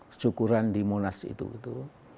syukuran di monas itu